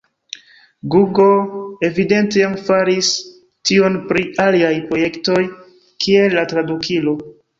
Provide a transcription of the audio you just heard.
Google evidente jam faris tion pri aliaj projektoj, kiel la tradukilo.